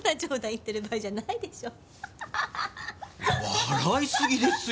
笑いすぎですよ。